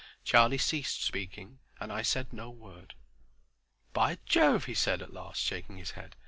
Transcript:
Charlie ceased speaking, and I said no word. "By Jove!" he said, at last, shaking his head.